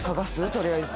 とりあえず。